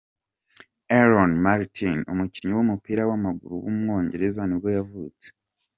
Aaron Martin, umukinnyi w’umupira w’amaguru w’umwongereza nibwo yavutse.